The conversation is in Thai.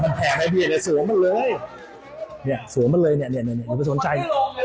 มันแหงให้มันเลยนี่สวมมันเลยเนี้ยเนี้ยเนี้ยชนใจ